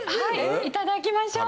いただきましょう。